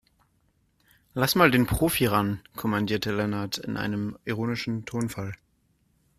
"Lass mal den Profi ran", kommandierte Lennart in einem ironischen Tonfall.